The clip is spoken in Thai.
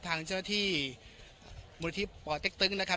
ทางเจ้าที่มตตนะครับ